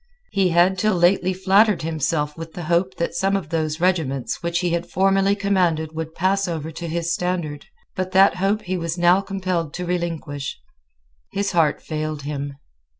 He had till lately flattered himself with the hope that some of those regiments which he had formerly commanded would pass over to his standard: but that hope he was now compelled to relinquish. His heart failed him.